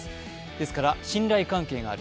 ですから、信頼関係がある。